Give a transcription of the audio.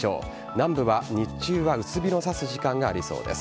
南部は日中は薄日の差す時間がありそうです。